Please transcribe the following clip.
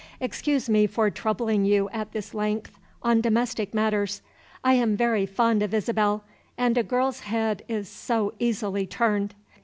Excuse me for troubling you at this length on domestic matters. I am very fond of Isabel; and a girl's head is so easily turned.